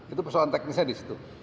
itu persoalan teknisnya di situ